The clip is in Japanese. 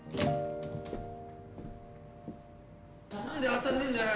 何で当たんねぇんだよ！